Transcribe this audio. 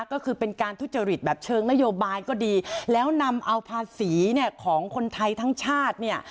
ก็คือเป็นการทุจริตแบบเชิงนโยบายก็ดีแล้วนำเอาภาษีเนี่ยของคนไทยทั้งชาติเนี่ย